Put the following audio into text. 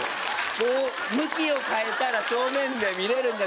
こう向きを変えたら正面で見れるんで。